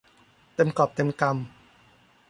เต็มกอบเต็มกำ